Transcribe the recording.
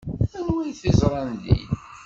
Anwa ay teẓram din?